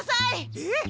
えっ？